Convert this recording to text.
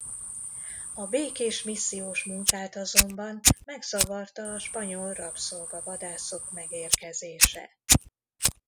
A békés missziós munkát azonban megzavarta a spanyol rabszolga-vadászok megérkezése.